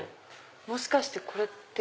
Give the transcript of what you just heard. もしかしてこれって。